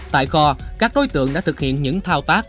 tại kho các đối tượng đã thực hiện những thao tác